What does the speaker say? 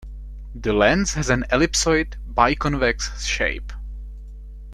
The lens has an ellipsoid, biconvex shape.